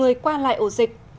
để qua lại ổ dịch